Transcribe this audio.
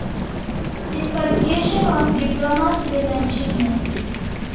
His qualification was Diploma Civil Engineer.